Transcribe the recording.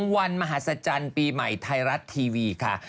วันมหาศจรรย์ปีใหม่ไทยรัฐทีวีค่ะ